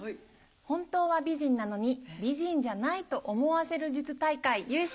本当は美人なのに美人じゃないと思わせる術大会優勝